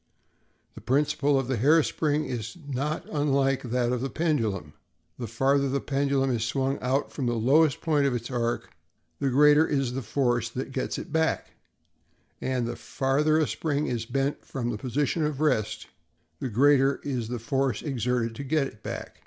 The principle of the hair spring is not unlike that of the pendulum: the farther the pendulum is swung out from the lowest point of its arc, the greater is the force that gets it back; and the farther a spring is bent from its position of rest, the greater is the force exerted to get it back.